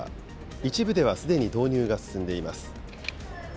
一部ではすでに導入が進んでいます。